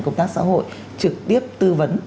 công tác xã hội trực tiếp tư vấn